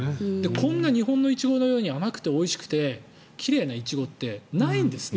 こんな日本のイチゴのように甘くておいしくて奇麗なイチゴってないんですって。